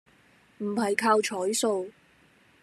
唔係靠彩數